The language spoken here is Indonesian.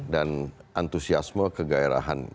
dan antusiasme kegairahan